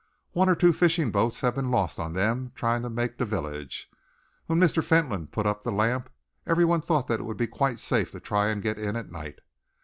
One or two fishing boats have been lost on them, trying to make the village. When Mr. Fentolin put up the lamp, every one thought that it would be quite safe to try and get in at night.